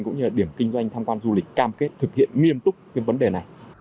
cũng như điểm kinh doanh tham quan du lịch cam kết thực hiện nghiêm túc vấn đề này